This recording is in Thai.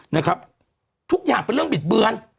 นะครับทุกอย่างเป็นเรื่องบิดเบือน